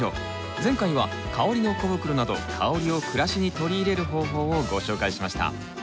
前回は香りの小袋など香りを暮らしに取り入れる方法をご紹介しました。